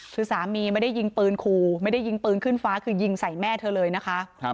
คือสามีไม่ได้ยิงปืนขู่ไม่ได้ยิงปืนขึ้นฟ้าคือยิงใส่แม่เธอเลยนะคะ